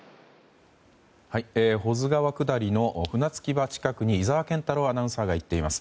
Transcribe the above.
保津川下りの船着き場近くに井澤健太朗アナウンサーが行っています。